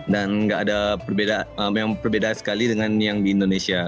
dan nggak ada yang perbeda sekali dengan yang di indonesia